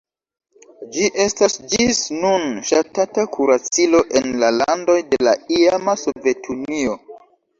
Ĝi estas ĝis nun ŝatata kuracilo en la landoj de la iama Sovetunio.